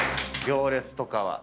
行列とかは。